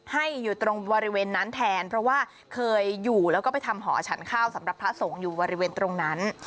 อยู่ตรงบริเวณนั้นแทนเพราะว่าเคยอยู่แล้วก็ไปทำหอฉันข้าวสำหรับพระสงฆ์อยู่บริเวณตรงนั้น